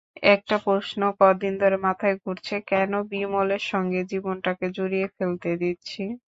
একটা প্রশ্ন কদিন ধরে মাথায় ঘুরছে, কেন বিমলের সঙ্গে জীবনটাকে জড়িয়ে ফেলতে দিচ্ছি?